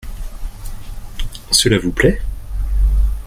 Cela vous plait ?